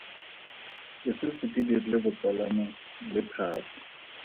Ke setse ke dirile botsalano le Thabo.